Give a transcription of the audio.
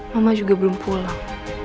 mama juga belum pulang